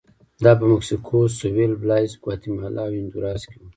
دا په مکسیکو سوېل، بلایز، ګواتیمالا او هندوراس کې و